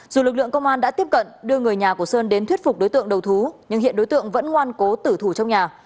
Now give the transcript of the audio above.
dù lực lượng công an đã tiếp cận đưa người nhà của sơn đến thuyết phục đối tượng đầu thú nhưng hiện đối tượng vẫn ngoan cố tử thủ trong nhà